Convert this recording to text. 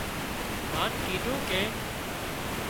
هانَ ڪيڌون ڪي